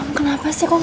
itu kan suara erin